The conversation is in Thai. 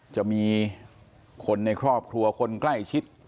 จะมีคนในครอบครัวคนใกล้ชิด